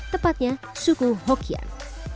tepatnya suku hokkien